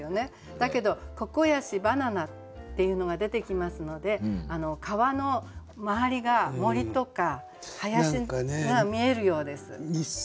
だけど「ココヤシ」「バナナ」っていうのが出てきますので川の周りが森とか林が見えるようです。